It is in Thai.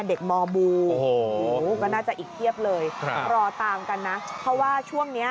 เด็กมบูร์ก็น่าจะอีกเทียบเลยรอตามกันนะเพราะว่าช่วงนี้